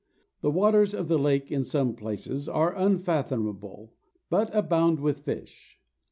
The waters of the lake in some places are unfathomable, but abound with fish.